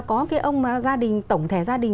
có cái ông gia đình tổng thể gia đình